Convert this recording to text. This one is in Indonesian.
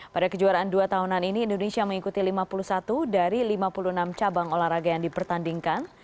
pada kejuaraan dua tahunan ini indonesia mengikuti lima puluh satu dari lima puluh enam cabang olahraga yang dipertandingkan